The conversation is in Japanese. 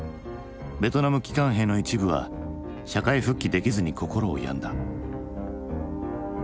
ベトナム帰還兵の一部は社会復帰できずに心を病んだ。